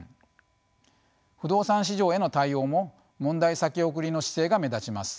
不動産市場への対応も問題先送りの姿勢が目立ちます。